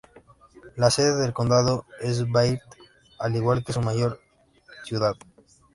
La sede del condado es Baird, al igual que su mayor ciudad.